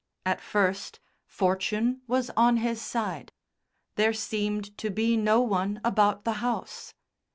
At first, fortune was on his side. There seemed to be no one about the house.